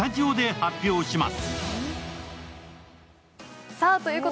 では発表します。